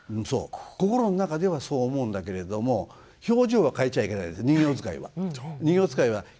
そう心の中ではそう思うんだけれども表情は変えちゃいけないんです人形遣いは。